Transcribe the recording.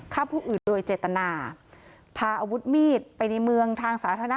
ฆ่าผู้อื่นโดยเจตนาพาอาวุธมีดไปในเมืองทางสาธารณะ